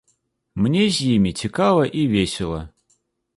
Мне з імі цікава і весела.